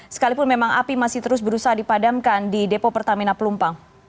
sekalipun memang api masih terus berusaha dipadamkan di depo pertamina pelumpang